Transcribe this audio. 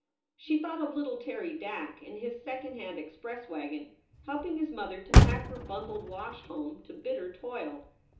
She thought of little Terry Dack and his second hand express wagon, helping his mother to pack her bundled wash home to bitter toil.